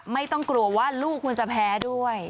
ไม่ต้องกลัวว่าลูกคุณจะแพ้ด้วย